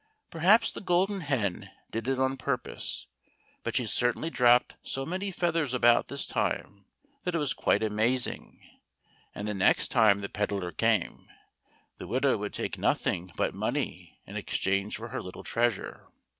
Perhaps the Golden Hen did it on purpose, but she certainly dropped so many feathers about this time that it was quite amazing, and the next time the pedlar came, the widow would take nothing but money in exchange for her little treasure.